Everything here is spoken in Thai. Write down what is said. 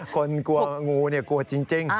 กลัวงูกลัวจริง